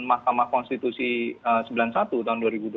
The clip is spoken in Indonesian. mahkamah konstitusi sembilan puluh satu tahun dua ribu dua puluh